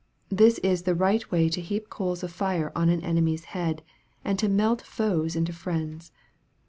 This is the right way to heap coals of fire on an enemy's head, and to melt foes into friends.